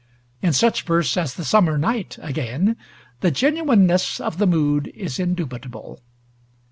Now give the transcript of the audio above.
In such verse as the 'Summer Night,' again, the genuineness of the mood is indubitable.